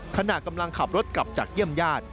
ขณะกำลังขับรถกลับจากเยี่ยมญาติ